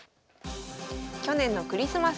去年のクリスマス